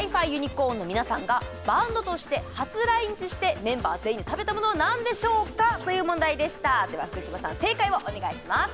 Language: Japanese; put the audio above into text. ｃｏｒｎの皆さんがバンドとして初来日してメンバー全員で食べたものは何でしょうかという問題でしたでは福嶌さん正解をお願いします